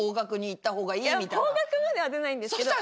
方角までは出ないんですけど。